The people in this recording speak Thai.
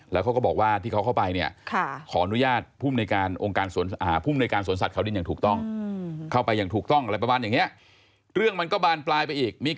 แล้วเขาก็บอกว่าที่เขาเข้าไป